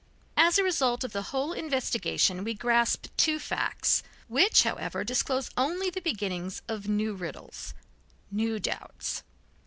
As a result of the whole investigation we grasp two facts, which, however, disclose only the beginnings of new riddles, new doubts.